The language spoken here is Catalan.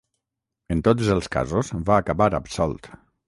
En tots els casos va acabar absolt.